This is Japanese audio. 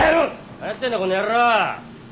何やってんだこの野郎ォ。